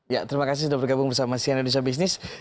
ya terima kasih sudah bergabung bersama sian edisha bisnis